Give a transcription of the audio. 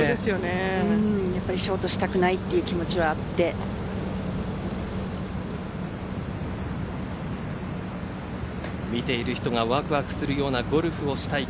やっぱりショートしたくないという気持ちはあって見ている人がわくわくするようなゴルフをしたい。